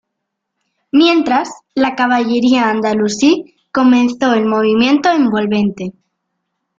Mientras, la caballería andalusí comenzó el movimiento envolvente.